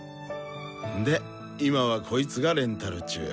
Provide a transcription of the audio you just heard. で今はこいつがレンタル中。